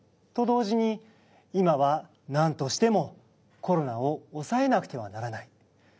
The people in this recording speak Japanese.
と同時に今はなんとしてもコロナを抑えなくてはならない。